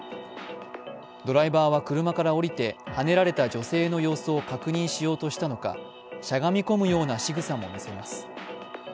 ドライバーは車からおりて、はねられた女性の様子を確認しようとしたのかしゃがみ込むようなしぐさも見せます。